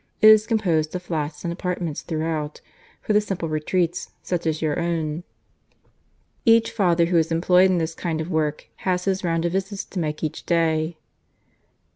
It is composed of flats and apartments throughout, for the simple retreats, such as your own. Each Father who is employed in this kind of work has his round of visits to make each day."